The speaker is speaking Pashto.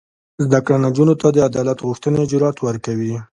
زده کړه نجونو ته د عدالت غوښتنې جرات ورکوي.